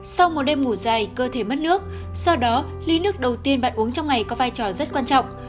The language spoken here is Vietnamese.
sau một đêm ngủ dài cơ thể mất nước do đó ly nước đầu tiên bạn uống trong ngày có vai trò rất quan trọng